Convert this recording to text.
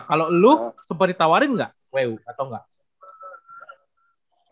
kalau lo sempet ditawarin gak wu atau enggak